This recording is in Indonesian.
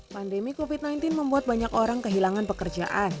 pandemi covid sembilan belas membuat banyak orang kehilangan pekerjaan